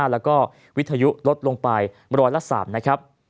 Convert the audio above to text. และวิทยุลดลงไป๑๐๓